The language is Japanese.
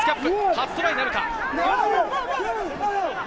初トライなるか？